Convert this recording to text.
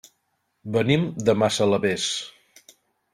Venim de Massalavés.